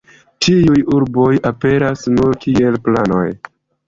Tiuj urboj aperas nur kiel planoj.